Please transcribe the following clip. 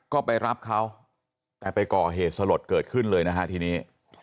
ก็ไปรับเขาแต่ไปก่อเหตุสลดเกิดขึ้นเลยนะฮะทีนี้